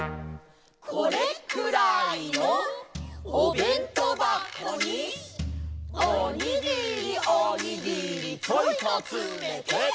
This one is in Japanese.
「これくらいのおべんとばこに」「おにぎりおにぎりちょいとつめて」